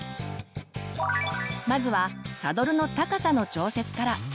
まずはサドルの高さの調節から。